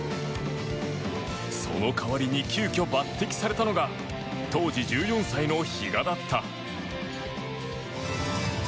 その代わりに急きょ、抜てきされたのが当時１４歳の比嘉だった。